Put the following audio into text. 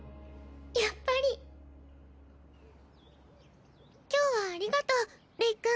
やっぱり今日はありがとうレイ君